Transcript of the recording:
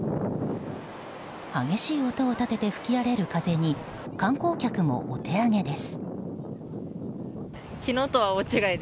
激しい音を立てて吹き荒れる風に観光客もお手上げです。